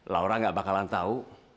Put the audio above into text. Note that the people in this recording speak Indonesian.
laura ga bakalan tau